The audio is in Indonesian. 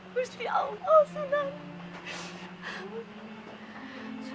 khususnya allah sunan